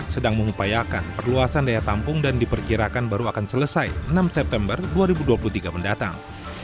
sedang mengupayakan perluasan daya tampung dan diperkirakan baru akan selesai enam september dua ribu dua puluh tiga mendatang